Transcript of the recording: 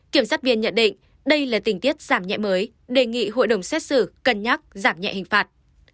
kiểm sát viên nhận định đây là tình tiết giảm nhẹ mới đề nghị hội đồng xét xử cân nhắc giảm nhẹ hình phạt